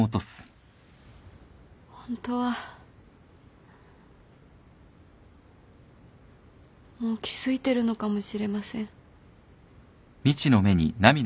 ホントはもう気付いてるのかもしれません。